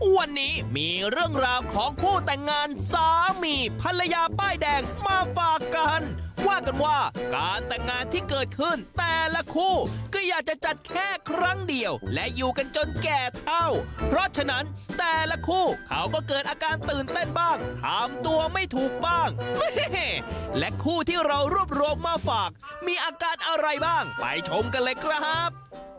วันนี้มีเรื่องราวของคู่แต่งงานสามีภรรยาป้ายแดงมาฝากกันว่ากันว่าการแต่งงานที่เกิดขึ้นแต่ละคู่ก็อยากจะจัดแค่ครั้งเดียวและอยู่กันจนแก่เท่าเพราะฉะนั้นแต่ละคู่เขาก็เกิดอาการตื่นเต้นบ้างถามตัวไม่ถูกบ้างและคู่ที่เรารวบรวมมาฝากมีอาการอะไรบ้างไปชมกันเลยครับ